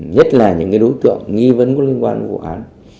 nhất là những đối tượng nghi vấn có liên quan đến vụ án